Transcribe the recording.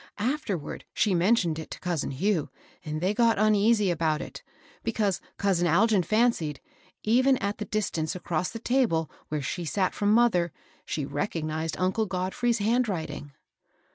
Afterward she mentioned it to cousin Hugh, and they got uneasy about it, because couan Algin fancied, even at the distance across the table where she sat from mother, she recognized uncle Godfrey's hand writ ing.